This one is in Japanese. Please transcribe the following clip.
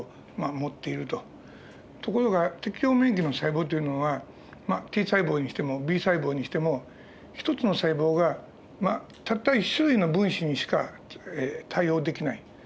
ところが適応免疫の細胞っていうのはＴ細胞にしてもＢ細胞にしても１つの細胞がたった１種類の分子にしか対応できない。